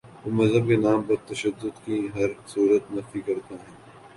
وہ مذہب کے نام پر تشدد کی ہر صورت نفی کرتے ہیں۔